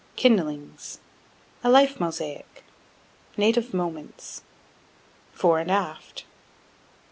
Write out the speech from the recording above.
Kindlings, A Life Mosaic....Native Moments, Fore and Aft....